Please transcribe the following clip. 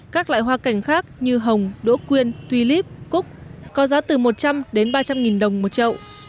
các loại hoa cảnh khác như hồng đỗ quyên tuy líp cúc có giá từ một trăm linh đến ba trăm linh nghìn đồng một trậu